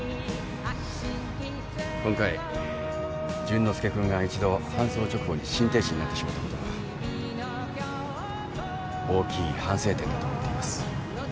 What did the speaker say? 今回淳之介君が一度搬送直後に心停止になってしまったことは大きい反省点だと思っています。